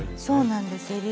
そうなんです。